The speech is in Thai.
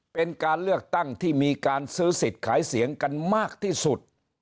เป็นการเลือกตั้งที่มีการซื้อสิทธิ์ขายเสียงกันมากที่สุด